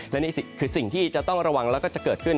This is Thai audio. และนี่คือสิ่งที่จะต้องระวังแล้วก็จะเกิดขึ้น